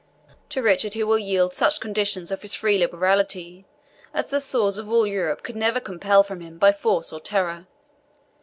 To Richard he will yield such conditions of his free liberality as the swords of all Europe could never compel from him by force or terror.